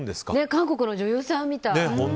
韓国の女優さんみたい。